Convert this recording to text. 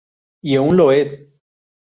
Y aún lo es.